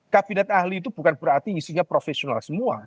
kabinet ahli itu bukan berarti isinya profesional semua